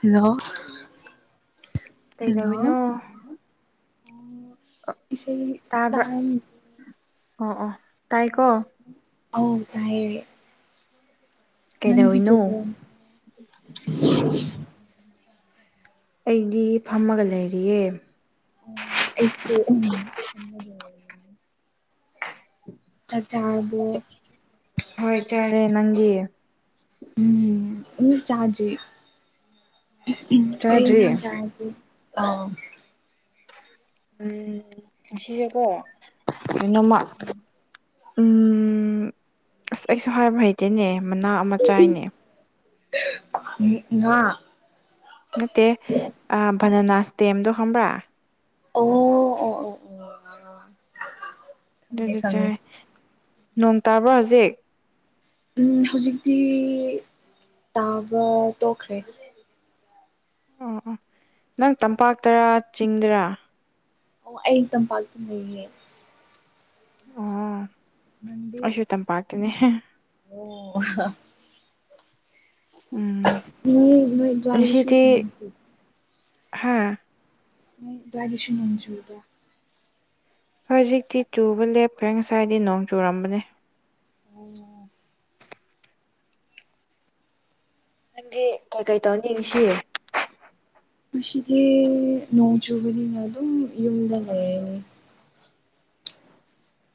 hello hello ꯀꯩꯗꯧꯔꯤꯅꯣ ꯑ ꯏꯁꯩ ꯇꯥꯕꯔ ꯇꯥꯔꯝ ꯑꯣ ꯑꯣ ꯇꯥꯏ ꯀꯣ ꯑꯎ ꯇꯥꯏꯌꯦꯦ ꯅꯟ ꯀꯩꯗꯧꯔꯤꯅꯣ ꯀꯦꯀꯦ ꯑꯩꯗꯤ ꯐꯝꯃꯒ ꯂꯩꯔꯤꯌꯦ ꯑꯩ ꯎꯝ ꯆꯥꯛ ꯆꯥꯔ ꯍꯣꯏ ꯆꯥꯔꯦ ꯅꯪꯗꯤ ꯎꯝ ꯎ ꯆꯥꯗꯔꯤ ꯎꯝ ꯀꯔꯤ ꯆꯥꯗ꯭ꯔꯤ ꯏꯟꯖꯡ‌ ꯆꯥꯔꯒ‌ꯦ ꯎ ꯁꯤꯖꯀꯣ ꯀꯩꯅ‌ꯣꯝꯃ ꯎꯝ ꯑꯁ ꯑꯩꯁꯨ ꯍꯥꯏꯕ ꯍꯩꯇꯦꯅꯦ ꯃꯅꯥ ꯑꯃ ꯆꯥꯏꯅꯦ ꯉꯥ ꯅꯠꯇꯦ ꯚꯅꯅꯥꯁ ꯗꯦꯝꯗꯣ ꯈꯪꯕ꯭ꯔꯥ ꯑꯣ ꯑꯣ ꯑꯣ ꯑꯣ ꯑꯗꯨ ꯈꯪꯉꯦ ꯑꯗꯨ ꯈꯪꯉꯦ ꯆꯥꯏ ꯅꯣꯡ ꯇꯥꯕ꯭ꯔꯣ ꯍꯧꯖꯤꯛ ꯎꯝ ꯍꯧꯖꯤꯛꯇꯤ ꯇꯥꯕ ꯇꯣꯛꯈ꯭ꯔꯦ ꯑꯣ ꯑꯣ ꯅꯪ ꯇꯝꯄꯥꯛꯇꯔꯥ ꯆꯤꯡꯗꯔꯥ ꯑꯣ ꯑꯩ ꯇꯝꯄꯥꯛꯇ ꯂꯩꯦ ꯑꯣ ꯅꯪꯗꯤ ꯑꯩꯁꯨ ꯇꯝꯄꯥꯛꯀꯤꯅꯦ ꯑꯣ ꯎꯝ ꯎ ꯃ ꯋꯥꯏꯁꯤ ꯍꯥꯥ ꯅ ꯗꯒꯤꯁꯨ ꯅꯖꯨꯗ ꯍꯧꯖꯤꯛꯇꯤ ꯆꯨꯕ ꯂꯦꯞꯈ꯭ꯔꯦ ꯉꯁꯥꯏꯗꯤ ꯅꯣꯡ ꯆꯨꯨꯔꯝꯕꯅꯦ ꯎ ꯅꯪꯗꯤ ꯀꯩ ꯀꯩ ꯇꯧꯅꯤ ꯌꯦꯡꯁꯤꯌ ꯃꯁꯤꯗꯤ ꯅꯧꯖꯨꯕꯔꯤ ꯂ ꯑꯗꯨ ꯌꯗꯂꯦ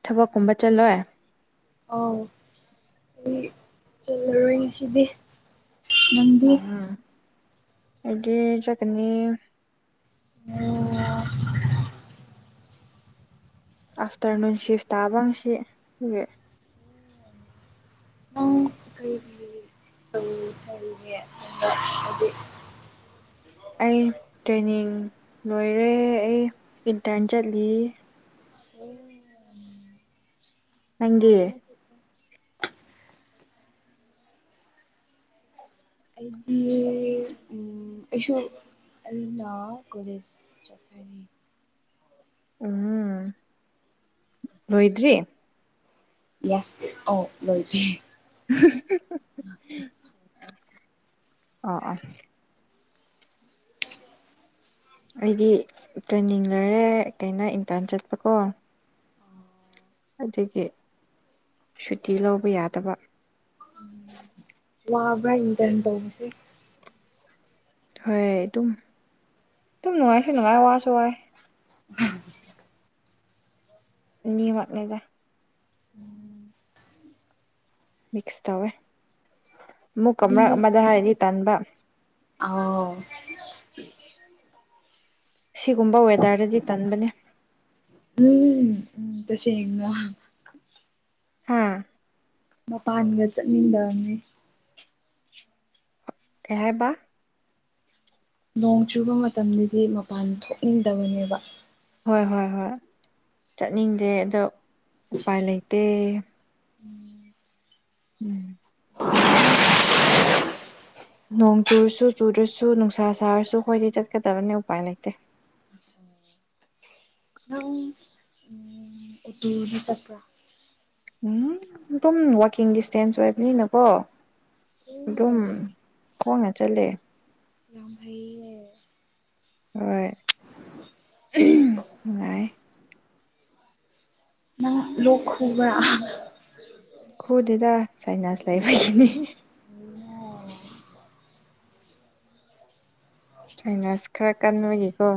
ꯊꯕꯛꯀꯨꯝꯕ ꯆꯠꯂꯣꯏ ꯑꯥꯎ ꯑꯩ ꯆꯜꯂꯔꯣꯏ ꯉꯁꯤꯗꯤ ꯅꯪꯗꯤ ꯎꯝ ꯑꯩꯗꯤ ꯆꯠꯅꯤ ꯑ ꯑꯥꯐꯇꯔꯅꯨꯟ ꯁꯤꯐ ꯇꯥꯕ ꯉꯁꯤ ꯅꯪ ꯀꯩꯒꯤ ꯍꯥꯏꯒꯦ ꯑꯗ ꯍꯥꯏꯗꯤ ꯑꯩ ꯇ꯭ꯔꯦꯅꯤꯡ ꯂꯣꯏꯔꯦ ꯑꯩ ꯏꯟꯇꯔꯟ ꯆꯠꯂꯤ ꯑꯣ ꯅꯪꯗꯤ ꯅꯨꯡꯉꯥꯏꯕ [unintelligible] ꯑꯩꯗꯤ ꯎꯝ ꯑꯩꯁ ꯑ ꯀ ꯎꯝ ꯂꯣꯏꯗ꯭ꯔꯤ ꯌꯥꯁ ꯑꯣ ꯂꯣꯏꯗ [unintelligible] ꯑ ꯑ ꯑꯩꯗꯤ ꯇ꯭ꯔꯦꯟꯅꯤꯡ ꯂꯣꯏꯔꯦ ꯀꯩꯅꯣ ꯏꯟꯇꯔꯟ ꯆꯠꯄꯀꯣ ꯑꯗꯒꯤ ꯁꯨꯇꯤ ꯂꯧꯕ ꯌꯥꯗꯕ ꯋꯥꯕ꯭ꯔꯥ ꯏꯟꯇꯔꯟ ꯇꯧꯕꯁꯦ ꯍꯣꯏ ꯑꯗꯨꯝ ꯑꯗꯨꯝ ꯅꯨꯡꯉꯥꯏꯁꯨ ꯅꯨꯡꯉꯥꯏ ꯋꯥꯁꯨ ꯋꯥꯏ [unintelligible] ꯑꯅꯤꯃꯛ ꯅꯦꯗ ꯃꯤꯛꯁ ꯇꯧꯋꯦ ꯑꯃꯨꯛ ꯃꯔꯛ ꯌꯨꯝꯗ ꯑꯃꯗ ꯍꯥꯏꯗꯤ ꯇꯟꯕ ꯑꯥꯎ ꯁꯤꯒꯨꯝꯕ ꯋꯦꯗꯔꯗꯗꯤ ꯇꯟꯕꯅꯦ ꯎꯝ ꯎꯝ ꯇꯁ ꯍꯥꯥ ꯃꯄꯥꯟꯒ ꯆꯠꯃꯤꯡꯗꯝꯅꯤ ꯀꯩ ꯍꯥꯏꯕ ꯅꯣꯡ ꯆꯨꯕ ꯃꯇꯝꯗꯗꯤ ꯃꯄꯥꯟ ꯊꯣꯛꯅꯤꯡꯗꯕꯅꯦꯕ ꯍꯣꯏ ꯍꯣꯏ ꯍꯣꯏ ꯆꯠꯅꯤꯡꯗꯦ ꯑꯗꯣ ꯎꯄꯥꯏ ꯂꯩꯇꯦ ꯎꯝ ꯅꯣꯡ ꯆꯨꯔꯁꯨ ꯆꯨꯗ꯭ꯔꯁꯨ ꯅꯨꯡꯁꯥ ꯁꯥꯔꯁꯨ ꯍꯣꯏꯗꯤ ꯆꯠꯀꯗꯕꯅꯤ ꯎꯄꯥꯏ ꯂꯩꯇꯦ ꯑ ꯎꯝ ꯎꯝ ꯑꯗꯨ ꯆꯠꯄ꯭ꯔꯥ ꯎꯝ ꯑꯗꯨꯝ ꯋꯥꯛꯀꯤꯡ ꯗꯤꯁꯇꯦꯟꯁ ꯑꯣꯏꯕꯅꯤꯅꯀꯣ ꯑꯣ ꯑꯗꯨꯝ ꯈꯣꯡꯅ ꯆꯠꯂꯦ ꯌꯥꯝ ꯍꯩꯌꯦ ꯍꯣꯏ ꯅꯨꯡꯉꯥꯏ ꯅꯪ ꯂꯣꯛ ꯈꯨꯕꯔ ꯈꯨꯗꯦꯗ ꯁꯥꯏꯅꯥꯁ ꯂꯥꯏꯕꯒꯤꯅꯤ ꯁꯥꯏꯅꯥꯁ ꯈꯔ ꯀꯟꯕꯒꯤꯀꯣ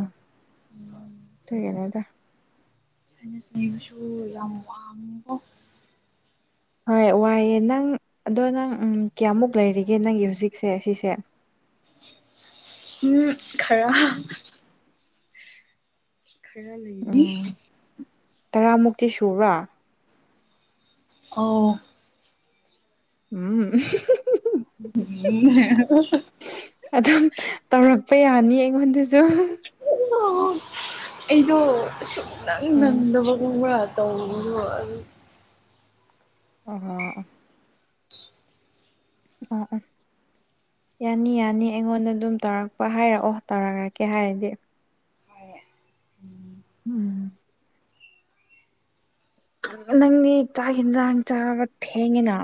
ꯑꯗꯨꯒꯤꯅꯤꯗ ꯁꯥꯏꯅꯁ ꯅꯩꯕꯁꯨ ꯌꯥꯝ ꯋꯥꯅꯤꯀꯣ ꯍꯣꯏ ꯋꯥꯏꯑꯦ ꯅꯪ ꯑꯗꯣ ꯅꯪ ꯀꯌꯥꯃꯨꯛ ꯂꯩꯔꯤꯒꯦ ꯅꯪꯒꯤ ꯍꯧꯖꯤꯛꯁꯦ ꯁꯤꯁꯦ ꯍꯨꯝ ꯈꯔ ꯈꯔ ꯂꯩꯔꯤ ꯎꯝ ꯇꯔꯥꯃꯨꯛꯇꯤ ꯁꯨꯕ꯭ꯔꯥ ꯑꯧ [unintelligible] [unintelligible] ꯑꯗꯨꯝ ꯇꯧꯔꯛꯄ ꯌꯥꯅꯤ ꯑꯩꯉꯣꯟꯗꯁꯨ ꯑꯩꯗꯣ ꯑꯁꯨꯛ ꯅꯪ ꯎꯝ ꯅꯪꯗꯕꯒꯨꯝꯕ꯭ꯔꯥ ꯇꯧꯔꯤꯗꯣ ꯑꯗꯨ ꯑꯣ ꯑꯣ ꯑ ꯌꯥꯅꯤ ꯌꯥꯅꯤ ꯑꯩꯉꯣꯟꯗ ꯑꯗꯨꯝ ꯇꯧꯔꯛꯄ ꯍꯥꯏꯔꯛꯑꯣ ꯇꯧꯔꯛꯔꯀꯦ ꯍꯥꯏꯔꯗꯤ ꯎꯝ ꯎꯝ ꯅꯪꯗꯤ ꯆꯥꯛ ꯌꯦꯟꯁꯥꯡ ꯆꯥꯕ ꯊꯦꯡꯉꯤꯅ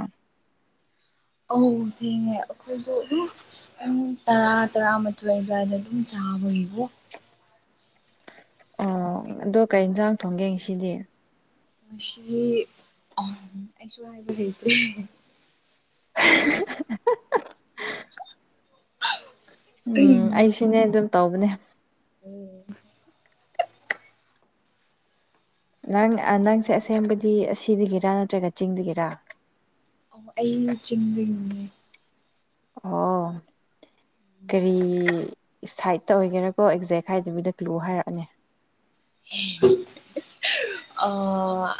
ꯑꯧ ꯊꯦꯡꯉꯦ ꯑꯩꯈꯣꯏꯗꯣ ꯑꯗꯨꯝ ꯎꯝ ꯇꯔꯥ ꯇꯔꯥꯃꯊꯣꯏ ꯑꯗꯨꯋꯥꯏꯗꯥ ꯑꯗꯨꯝ ꯆꯥꯕꯒꯤꯕꯣ ꯑꯣ ꯑꯗꯨꯒꯤ ꯑꯗꯣ ꯀꯩ ꯌꯦꯟꯁꯥꯡ ꯊꯣꯡꯒꯦ ꯉꯁꯤꯗꯤ ꯃꯁꯤ [unintelligible] ꯑꯩꯁꯨ ꯍꯥꯏꯕ ꯍꯩꯇꯦ [unintelligible] ꯎꯝ ꯑꯩꯁꯤꯅꯦ ꯑꯗꯨꯝ ꯇꯧꯕꯅꯦ [unintelligible] ꯅꯪ ꯅꯪꯁꯦ ꯑꯁꯦꯡꯕꯗꯤ ꯑꯁꯤꯗꯒꯤꯔ ꯅꯠꯇ꯭ꯔꯒ ꯆꯤꯡꯗꯒꯤꯔꯥ ꯑꯣ ꯑꯩ ꯆꯤꯡꯗꯩꯩꯅꯦ ꯑꯣ ꯀꯔꯤ ꯁꯥꯏꯠꯇ ꯑꯣꯏꯒꯦꯔꯥꯀꯣ ꯑꯦꯛꯖꯦꯛ ꯍꯥꯏꯗꯕꯤꯗ ꯀ꯭ꯂꯨ ꯍꯥꯏꯔꯛꯑꯅꯤ [unintelligible] ꯑꯣ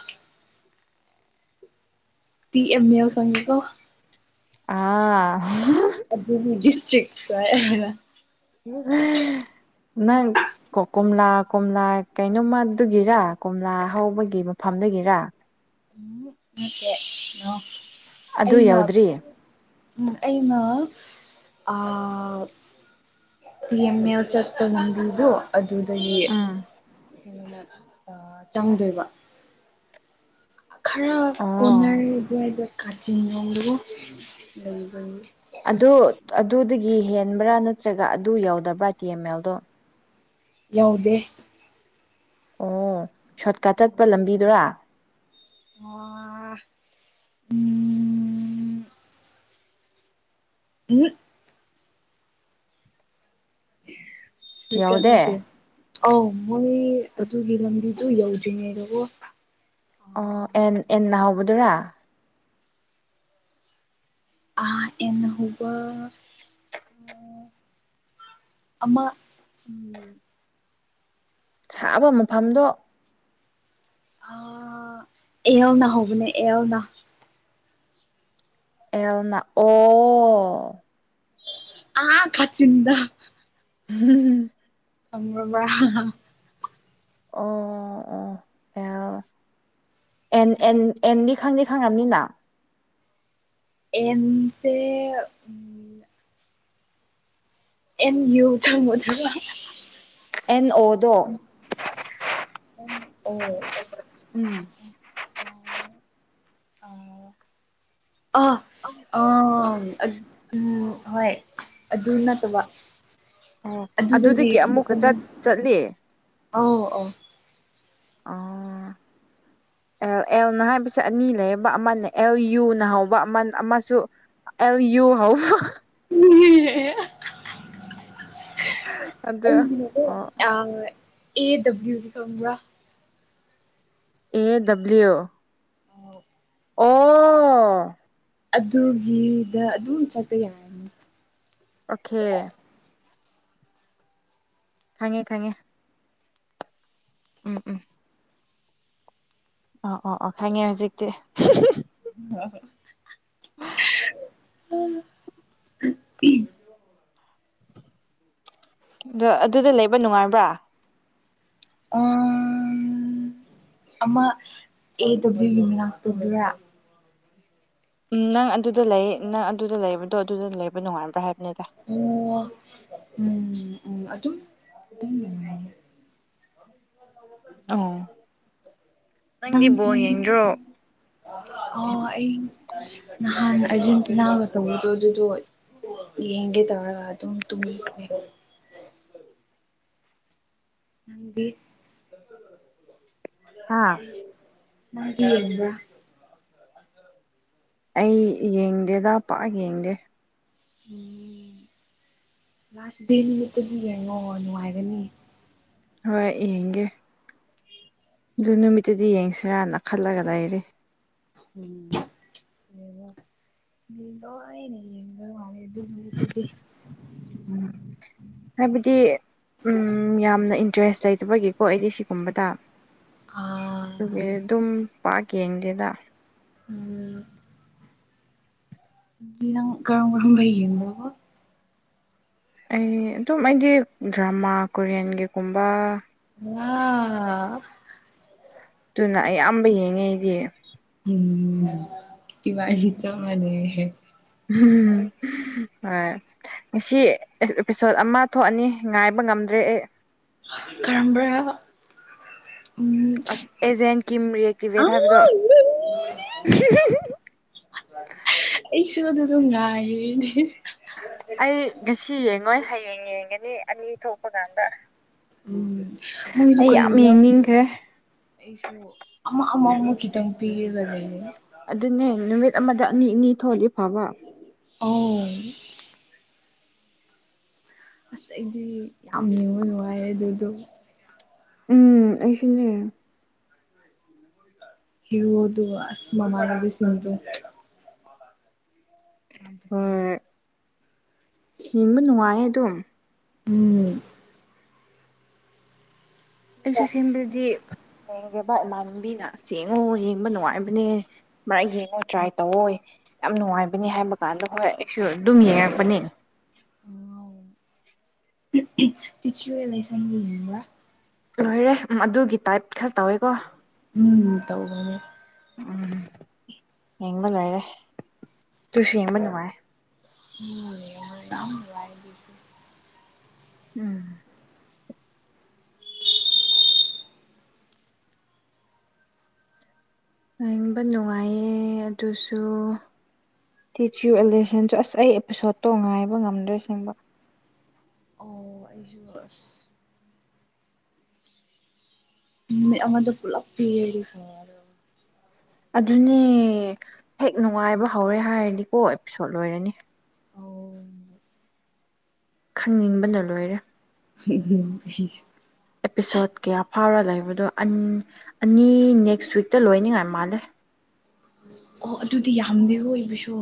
ꯇꯤ ꯑꯦꯝꯃꯦꯜ ꯈꯪꯉꯤꯀꯣ ꯑꯥ [unintelligible] ꯗꯤꯁꯇ꯭ꯔꯤꯛ [unintelligible] [unintelligible] ꯅꯪ ꯀꯣꯝꯂꯥ ꯀꯣꯝꯂꯥ ꯀꯩꯅꯣꯃ ꯑꯗꯨꯒꯤꯔ ꯀꯣꯝꯂꯥ ꯍꯧꯕꯒꯤ ꯃꯐꯝꯗꯒꯤꯔ ꯅꯠꯇꯦ [unintelligible] ꯑꯗꯨ ꯑꯩꯅ ꯌꯧꯗ꯭ꯔꯤ ꯑꯩꯅ ꯑꯥ ꯗꯤꯌꯦꯃꯦꯜ ꯆꯠꯇ ꯂꯝꯕꯤꯗꯨ ꯑꯗꯨꯗꯒꯤ ꯆꯪꯗꯣꯏꯕ ꯈꯔ ꯑꯣ ꯀꯣꯟꯅꯔꯗꯨꯋꯥꯏꯗ ꯀꯥꯆꯤꯟ [unintelligible] ꯑꯗꯨ ꯑꯗꯨꯗꯒꯤ ꯍꯦꯟꯕ꯭ꯔꯥ ꯅꯠꯇ꯭ꯔꯒ ꯑꯗꯨ ꯌꯎꯗꯕ꯭ꯔꯥ ꯇꯤ ꯑꯦꯝ ꯑꯦꯜꯗꯣ ꯌꯥꯎꯗꯦ ꯑꯣ ꯁꯣꯔꯠꯀꯠ ꯆꯠꯄ ꯂꯝꯕꯤꯗꯨꯔꯥ [unintelligible] ꯎꯝ [unintelligible] [unintelligible] ꯌꯧꯗꯦ ꯑꯥꯎ ꯃꯣꯏ ꯑꯗꯨꯒꯤ ꯂꯝꯕꯤꯗꯨ ꯌꯧꯗ꯭ꯔꯤꯉꯩꯗꯀꯣ ꯑꯣ ꯑꯦꯟ ꯑꯦꯟꯆ ꯍꯧꯕꯗꯨꯔꯥ ꯑ ꯑꯦꯟꯅ ꯍꯧꯕ [unintelligible] ꯑꯃ ꯎꯝ ꯁꯛꯑꯕ ꯃꯐꯝꯗꯣ ꯑ ꯑꯦꯜꯅ ꯍꯧꯕꯅꯦ ꯑꯦꯜꯅ ꯑꯦꯜꯅ ꯑꯣ [unintelligible] ꯆꯤꯟꯗ ꯎꯝ [unintelligible] ꯑꯣ ꯑꯣ ꯑꯦꯜ ꯑꯦꯟ ꯑꯦꯟ ꯑꯦꯟꯗꯤ ꯈꯪꯗꯤ ꯈꯪꯉꯕꯅꯤꯅ ꯑꯦꯝꯁꯦ ꯑꯦꯟ ꯌꯨ ꯆꯪꯕꯗꯕ ꯑꯦꯟ ꯑꯣꯗꯣ ꯑꯣ ꯎꯝ [unintelligible] ꯑ ꯑ ꯑꯣ ꯎꯝ ꯍꯣꯏ ꯑꯗꯨ ꯅꯠꯇꯕ ꯑꯣ ꯑꯗꯨꯗꯒꯤ ꯑꯃꯨꯛꯀ ꯆꯠ ꯆꯠꯂꯤ ꯑꯧ ꯑꯧ ꯑꯣ [unintelligible] ꯑꯦꯜ ꯑꯦꯜꯅ ꯍꯥꯏꯕꯁꯦ ꯑꯅꯤ ꯂꯩꯌꯦꯕ ꯑꯃꯅ ꯑꯦꯜ ꯌꯨꯅ ꯍꯧꯕ ꯑꯃ ꯑꯃꯁꯨ ꯑꯦꯜ ꯌꯨ ꯍꯥꯎ ꯑꯗꯨ ꯎꯝ ꯑꯩꯒꯤ ꯑꯣ ꯑ ꯑꯦ ꯗꯕ꯭ꯂꯤꯎ ꯈꯪꯕ꯭ꯔ ꯑꯦ ꯗꯕ꯭ꯂꯤꯎ ꯑꯣ ꯑꯣ ꯑꯗꯨꯒꯤꯗ ꯑꯗꯨꯝ ꯆꯠꯄ ꯌꯥ ꯑꯣꯀꯦ ꯈꯪꯉꯦ ꯈꯪꯉꯦ ꯎꯝ ꯎꯝ ꯑꯣ ꯑꯣ ꯑꯣ ꯈꯪꯉꯦ ꯍꯧꯖꯤꯛꯇꯤ ꯑ ꯑ ꯑꯗꯨꯗ ꯂꯩꯕ ꯅꯨꯡꯉꯥꯏꯕ꯭ꯔꯥ ꯑꯃ ꯑꯦ ꯗꯕ꯭ꯂꯤꯎ ꯌꯨꯝ ꯂꯥꯛꯇꯗꯔꯥ ꯎꯝ ꯅꯪ ꯑꯗꯨꯗ ꯂꯩ ꯅꯪ ꯑꯗꯨꯗ ꯂꯩꯕꯗꯣ ꯑꯗꯨꯗ ꯂꯩꯕ ꯅꯨꯡꯉꯥꯏꯕ꯭ꯔꯥ ꯍꯥꯏꯕꯅꯤꯗ ꯑꯣ ꯎꯝ ꯎꯝ ꯑꯗꯨꯝ ꯑꯗꯨ ꯅꯨꯡꯉꯥꯏ [inaudible] ꯑꯣ ꯅꯪ ꯅꯪꯒꯤꯕꯣ ꯅꯪ ꯌꯦꯡꯗ꯭ꯔꯣ [inaudible] ꯑꯣ ꯑꯩ ꯅꯍꯥꯟ ꯑꯔꯖꯦꯟꯇꯤꯅꯥꯒ ꯇꯧꯕꯗꯣ ꯑꯗꯨꯗꯣ ꯌꯦꯒꯦ ꯇꯥꯔꯒ ꯑꯗꯨ ꯇꯨꯃꯤ [inaudible] ꯍꯥꯥ ꯃꯥꯒꯤꯕ ꯑꯩ ꯌꯦꯡꯗꯦꯗ ꯄꯥꯛ ꯌꯦꯡꯗꯦ ꯎꯝ ꯂꯥꯁ ꯗꯦ ꯅꯨꯃꯤꯠꯇꯗꯤ ꯌꯦꯡꯉꯣ ꯅꯨꯡꯉꯥꯏꯒꯅꯤ ꯍꯣꯏ ꯌꯦꯡꯒꯦ ꯑꯗꯨ ꯅꯨꯃꯤꯠꯇꯨꯗꯤ ꯌꯦꯡꯁꯤꯔꯅ ꯈꯜꯂꯒ ꯂꯩꯔꯦ ꯎꯉꯗ ꯌꯦ ꯑꯗꯨꯗꯤ ꯎꯝ ꯍꯥꯏꯕꯗꯤ ꯎ ꯌꯥꯝꯅ ꯏꯟꯇꯔꯦꯁ ꯂꯩꯇꯕꯒꯤꯀꯣ ꯑꯩꯗꯤ ꯁꯤꯒꯨꯝꯕꯗ ꯑꯥ ꯑꯗꯨ ꯑꯗꯨꯝ ꯄꯥꯛꯀ ꯌꯦꯡꯗꯦꯗ ꯎꯝ ꯀꯔꯝ ꯀꯔꯨꯝ ꯍꯩꯗ ꯑꯩ ꯑꯗꯨꯝ ꯑꯩꯒꯤ ꯗ꯭ꯔꯃꯥ ꯀꯣꯔꯤꯌꯟꯒꯤꯒꯨꯝꯕ ꯑ ꯑꯗꯨꯅ ꯑꯌꯥꯝꯕ ꯌꯦꯡꯉꯦꯗꯤ ꯎꯝ ꯇꯗꯤꯋꯥꯂꯤ ꯆ ꯃꯥꯅꯦ ꯍ ꯑ ꯉꯁꯤ ꯑꯦꯄꯤꯁꯣꯠ ꯑꯃ ꯊꯣꯛꯑꯅꯤ ꯉꯥꯏꯕ ꯉꯝꯗ꯭ꯔꯦ ꯑꯩ ꯀꯔꯝꯕꯔ ꯎꯝ ꯑꯁ ꯑꯦꯖꯦꯟ ꯀꯤꯝ ꯑ ꯔꯤꯑꯦꯛꯇꯤꯚꯦꯠ ꯍꯥꯏꯕꯗꯣ ꯑꯩꯁꯨ ꯑꯗꯨ ꯑꯗꯨ ꯉꯏꯅꯦ ꯑꯩ ꯉꯁꯤ ꯌꯦꯡꯉꯣꯏ ꯍꯌꯦꯡ ꯌꯦꯡꯒꯅꯤ ꯑꯅꯤ ꯊꯣꯛꯄ ꯀꯥꯟꯗ ꯎꯝ ꯃꯣꯏꯗꯨ ꯑꯩ ꯀ ꯌꯥꯝ ꯌꯦꯡꯅꯤꯡꯈ꯭ꯔꯦ ꯑꯩꯁꯨ ꯑꯃ ꯑꯃ ꯑꯃꯛ ꯈꯤꯇꯪ ꯄꯤꯒꯗ ꯂꯩꯅꯤ ꯑꯗꯨꯅꯦ ꯅꯨꯃꯤꯠ ꯑꯃꯗ ꯑꯅꯤ ꯑꯅꯤ ꯊꯣꯛꯑꯜꯂꯤ ꯐꯕ ꯑꯣ ꯑꯁ ꯑꯩꯗꯤ ꯌꯥꯝ ꯌꯦꯡꯕ ꯅꯨꯡꯉꯥꯏꯌꯦ ꯑꯗꯨꯗꯣ ꯎꯝ ꯑꯩꯁꯤꯅꯦ [inaudible] ꯏꯔꯣ ꯑꯁꯃꯃꯥꯅꯕꯤꯁꯗ ꯑꯝꯕ ꯁꯤꯦ ꯍꯣꯏ ꯌꯦꯡꯕ ꯅꯨꯡꯉꯥꯏꯌꯦ ꯑꯗꯨꯝ ꯎꯝ ꯑꯩꯁꯨ ꯁꯦꯝꯕꯗꯤ ꯌꯦꯡꯒꯦꯕ ꯏꯃꯥꯟꯅꯕꯤꯅ ꯑꯁ ꯌꯦꯡꯉꯣ ꯌꯦꯡꯕ ꯅꯨꯡꯉꯥꯏꯕꯅꯦ ꯑꯃꯔꯛ ꯌꯦꯡꯉꯣ ꯇꯔꯥꯏ ꯇꯧꯑꯣ ꯌꯥꯝ ꯅꯨꯡꯉꯥꯏꯕꯅꯤ ꯍꯥꯏꯕ ꯀꯥꯟꯗ ꯍꯣꯏ ꯑꯩꯁꯨ ꯑꯗꯨꯝ ꯌꯦꯡꯉꯛꯄꯅꯤ ꯇꯤꯆꯔꯨ ꯑꯦ ꯂꯩ ꯁꯝꯒ ꯍꯤꯡꯉꯒ ꯂꯣꯏꯔꯦ ꯑꯗꯨꯒꯤ ꯇꯥꯏꯞ ꯈꯔ ꯇꯧꯋꯦꯀꯣ ꯎꯝ ꯇꯧꯕꯅꯦ ꯎꯝ ꯌꯦꯡꯕ ꯂꯩꯔꯦ ꯇꯨꯁꯨ ꯌꯦꯡꯕ ꯅꯨꯡꯉꯥꯏ ꯎꯝꯅꯨꯡ ꯎꯝ ꯌꯦꯕ ꯅꯨꯡꯉꯥꯏꯌꯦ ꯑꯗꯨꯁꯨ ꯇꯤꯆꯌꯨ ꯑꯦꯂꯦꯁꯟꯁꯨ ꯑꯁ ꯑꯩ ꯑꯦꯄꯤꯁꯣꯗꯠꯇꯣ ꯉꯥꯏꯕ ꯉꯝꯗ꯭ꯔꯦ ꯁꯤꯡꯕ ꯑꯣ ꯑꯩꯁꯨ ꯃꯤꯠ ꯑꯃꯗ ꯄꯨꯂꯞ ꯄꯤꯔꯤꯉ ꯑꯗꯨꯅꯦ ꯍꯦꯛ ꯅꯨꯡꯉꯥꯏꯕ ꯍꯧꯔꯦ ꯍꯥꯏꯔꯗꯤꯀꯣ ꯑꯦꯄꯤꯁꯣꯠ ꯂꯣꯏꯔꯅꯤ ꯑ ꯈꯪꯅꯤꯡꯕꯅ ꯂꯣꯏꯔꯦ [inaudible] ꯑꯦꯄꯤꯁꯣꯠ ꯀꯌꯥ ꯐꯥꯎꯔ ꯂꯩꯕꯗꯣ ꯑꯅꯤ ꯅꯦꯛꯁ ꯋꯤꯛꯇ ꯂꯣꯏꯅꯤꯡꯉꯥꯏ ꯃꯥꯜꯂꯦ ꯑꯣ ꯑꯗꯨꯗꯤ ꯌꯥꯝꯗꯦ ꯑꯣꯏꯕꯁꯨ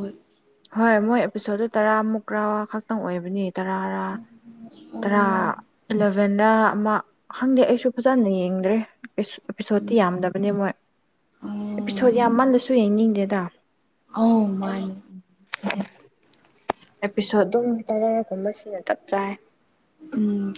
ꯍꯣꯏ ꯃꯣꯏ ꯑꯦꯄꯤꯁꯣꯗ ꯇꯔꯥꯃꯨꯛ ꯀꯔꯥ ꯈꯛꯇꯪ ꯑꯣꯏꯕꯅꯤ ꯇꯔ ꯇꯔꯥꯂ ꯑꯣ ꯏꯚꯦꯟꯗ ꯑꯃ ꯈꯪꯗꯦ ꯑꯩꯁꯨ ꯐꯖꯅ ꯌꯦꯡꯗ꯭ꯔꯦ ꯑꯦꯄꯤꯁꯣꯠꯇꯤ ꯌꯥꯝꯗꯕꯅꯦ ꯃꯣꯏ ꯑꯧ ꯑꯦꯄꯤꯁꯣꯠ ꯌꯥꯝ ꯃꯜꯂꯁꯨ ꯌꯦꯡꯅꯤꯡꯗꯦꯗ ꯑ ꯃꯥꯅꯦ ꯑꯦꯄꯤꯁꯣꯠ ꯑꯗꯨꯝ ꯇꯔꯒꯨꯝꯕ ꯁꯤꯅ ꯆꯞ ꯆꯥꯏ ꯎꯝ